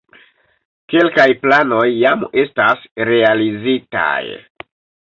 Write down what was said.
Kelkaj planoj jam estas realizitaj.